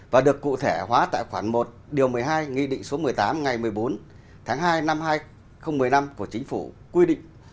và được cụ thể hóa tại khoản một điều một mươi hai nghị định số một mươi tám ngày một mươi bốn tháng hai năm hai nghìn một mươi năm của chính phủ quy định